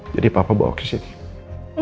jadi papa bawa kesini